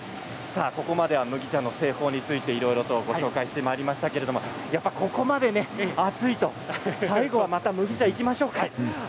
ここまでは麦茶の製法についていろいろとご紹介していきましたけれどもやはり、ここまで暑いと最後はまた麦茶にいきましょうか。